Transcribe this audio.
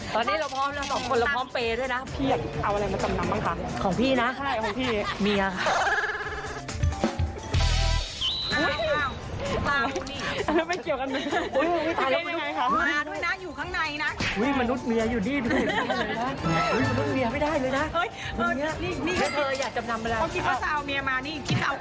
ใครไม่เปลี่ยนชุดเรียบเหรอให้คิดแล้ว